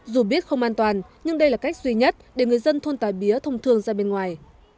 dù biết không an toàn nhưng đây là cách duy nhất để người dân thôn tà bía thông thương ra bên ngoài